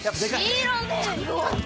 知らねえよ。